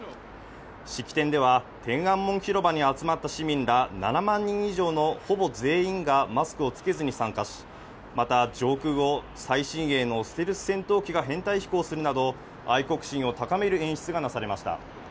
式典では天安門広場に集まった市民ら７万人以上のほぼ全員がマスクをつけずに参加し、また上空を最新鋭のステルス戦闘機が編隊飛行するなど愛国心を高める演出がなされました。